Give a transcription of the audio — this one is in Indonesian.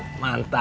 hah hah ternyata